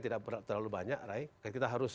tidak terlalu banyak ray kita harus